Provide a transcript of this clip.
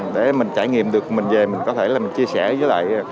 để mình trải nghiệm được mình về mình có thể là mình chia sẻ với lại